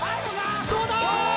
どうだ？